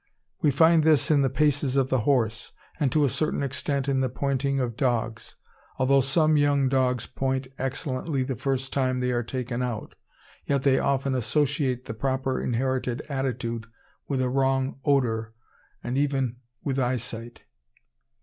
We find this in the paces of the horse, and to a certain extent in the pointing of dogs; although some young dogs point excellently the first time they are taken out, yet they often associate the proper inherited attitude with a wrong odour, and even with eyesight.